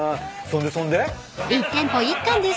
そんでそんで？